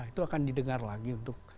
itu akan di dengar lagi